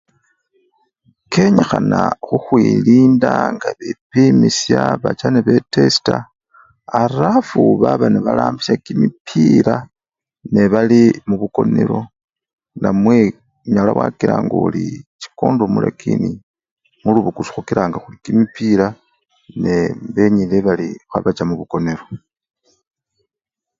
Kenyikhana khukhwilinda nga bepimisya bacha ne betesita alafu baba nebarambisya kimipira nebali mubukonelo namwe onyala wakilanga oli chikondomu lakini mulubukusu khukilanga khuri kimipila nee! benyile bali khebacha mubukonelo.